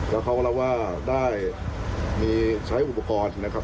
แล้วเขาก็รับว่าได้มีใช้อุปกรณ์นะครับ